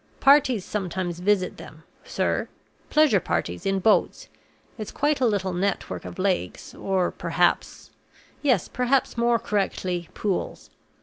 Parties sometimes visit them, sir pleasure parties in boats. It's quite a little network of lakes, or, perhaps yes, perhaps, more correctly, pools.